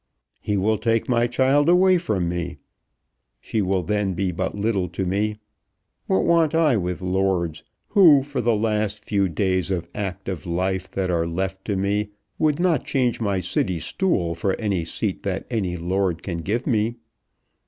"He will take my child away from me. She will then be but little to me. What want I with lords, who for the few days of active life that are left to me would not change my City stool for any seat that any lord can give me?